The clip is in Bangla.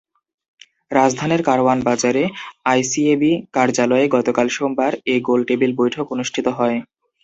রাজধানীর কারওয়ান বাজারে আইসিএবি কার্যালয়ে গতকাল সোমবার এ গোলটেবিল বৈঠক অনুষ্ঠিত হয়।